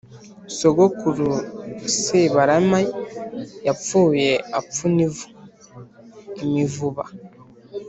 Sogokuru Sebarame yapfuye apfuna ivu.-Imivuba.